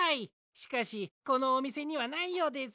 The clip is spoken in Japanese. しかしこのおみせにはないようです。